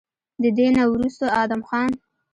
د دې نه وروستو ادم خان